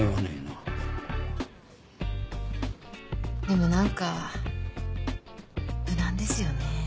でも何か無難ですよね。